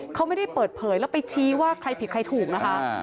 เขาไม่ได้เปิดเผยแล้วไปชี้ว่าใครผิดใครถูกนะคะ